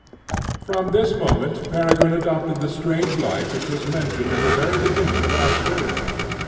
From this moment Peregrine adopted the strange life which was mentioned at the very beginning of our story.